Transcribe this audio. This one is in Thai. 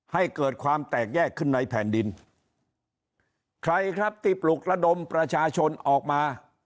ให้เกิดความแตกแยกขึ้นในแผ่นดินใครครับที่ปลุกระดมประชาชนออกมา